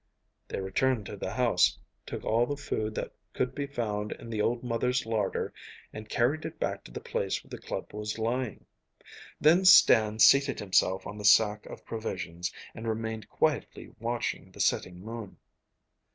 They returned to the house, took all the food that could be found in the old mother's larder, and carried it back to the place where the club was lying. Then Stan seated himself on the sack of provisions, and remained quietly watching the setting moon.